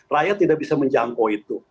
rakyat tidak bisa menjangkau itu